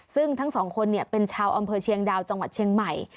ซึ่งทั้งสองคนเป็นชาวอำเภอเชียงดาวจังหวัดเชียงใหม่